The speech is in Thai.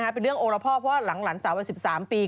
เป็นเรื่องโอละพ่อเพราะว่าหลังหลานสาววัย๑๓ปี